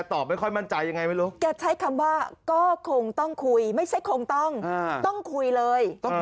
ต้องคุยเลย